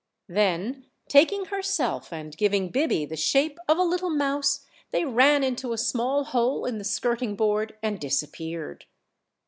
Then taking herself and giving Biby the shape of a little mouse, they ran into a small hole in the skirting board and disappeared.